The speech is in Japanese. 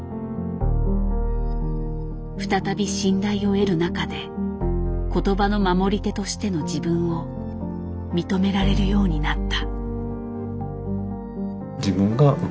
再び信頼を得る中で言葉の守り手としての自分を認められるようになった。